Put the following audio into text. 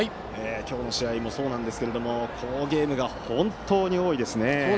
今日の試合もそうですが好ゲームが本当に多いですね。